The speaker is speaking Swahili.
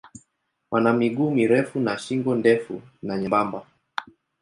Wana miguu mirefu na shingo ndefu na nyembamba.